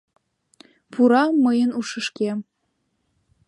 Пура мыйын ушышкем.